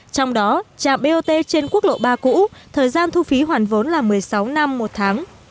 trong đó trạm bot trên quốc lộ ba cũ thời gian thu phí hoàn vốn là một mươi sáu năm một tháng